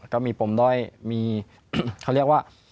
ก็มีปมด้อยมีเขาเรียกว่า